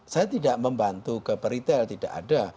saya tidak membantu ke peritel tidak ada